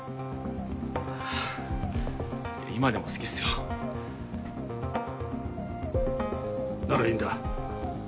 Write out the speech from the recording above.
今でも好きっすよならいいんだ